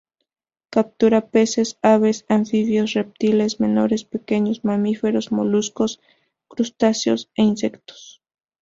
Captura peces, aves, anfibios, reptiles menores, pequeños mamíferos, moluscos, crustáceos e insectos.